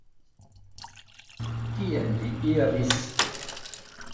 Kien li iris?